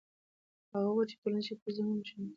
هغه وویل چې ټولنيزې شبکې ذهنونه روښانه کوي.